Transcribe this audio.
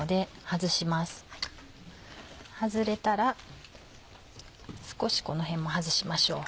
外れたら少しこの辺も外しましょう。